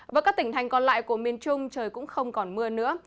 và các tỉnh thành còn lại của miền trung trời cũng không còn mưa nữa